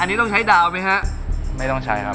อันนี้ต้องใช้ดาวไหมฮะไม่ต้องใช้ครับ